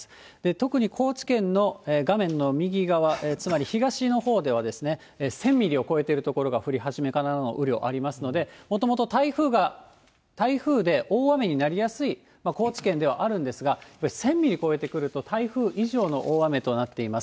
特に高知県の画面の右側、つまり東のほうでは、１０００ミリを超えている所が、降り始めからの雨量、ありますので、もともと台風で、大雨になりやすい高知県ではあるんですが、１０００ミリ超えてくると、台風以上の大雨となっています。